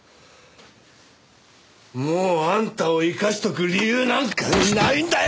もうあんたを生かしておく理由なんかないんだよ！